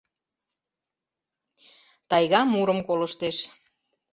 Тайга мурым колыштеш...